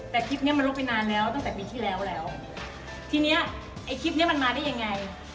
แต่คลิปเนี้ยมันลบไปนานแล้วตั้งแต่ปีที่แล้วแล้วทีเนี้ยไอ้คลิปเนี้ยมันมาได้ยังไง